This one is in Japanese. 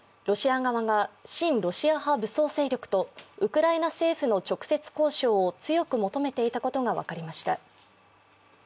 ロシア側が親ロシア派武装勢力とウクライナ政府の直接交渉を強く求めていたことが分かりました。